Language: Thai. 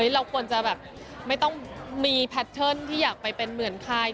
เราควรจะแบบไม่ต้องมีแพทเทิร์นที่อยากไปเป็นเหมือนใคร